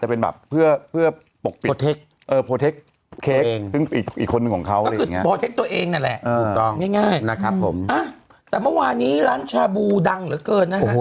แต่เมื่อวานี้ร้านชาบูดังเหลือเกินนะฮะ